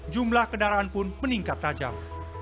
jumlah kendaraan pun meningkat tajam